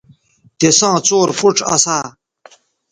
تِساں څور پوڇ اسا